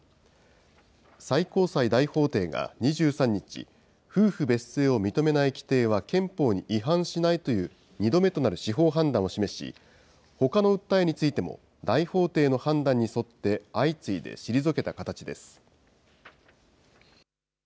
最高裁大法廷が２３日、夫婦別姓を認めない規定は、憲法に違反しないという、２度目となる司法判断を示し、ほかの訴えについても大法廷の判断に沿って相次いで退けた形です。